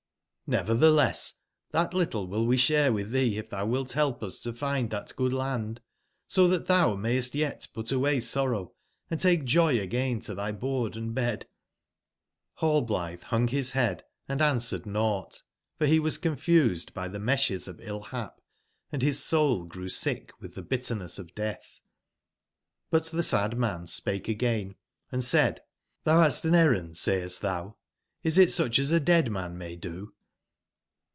J^evertbe less that little will we share with thee if thou wilt help us to find that good land; so that thou mayst yet put away Sorrow, and take 7oy again to thy board and bed." HLLBLl^RS bung bis head and answered nought; for he was confused by the meshes lilof ill/bap, and his soul grew sick with the bitterness of death. But tbe sad man spake again and said: ''IThou bast an errand sayest thou ? is it such as a dead man may do?"